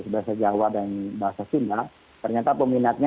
bahasa jawa dan bahasa sunda ternyata peminatnya